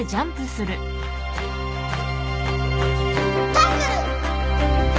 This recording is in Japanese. タックル！